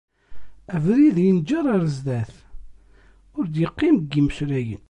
Abrid yenǧer ar sdat, ur d-yeqqim deg yimeslayen.